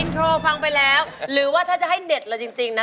โทรฟังไปแล้วหรือว่าถ้าจะให้เด็ดเลยจริงนะ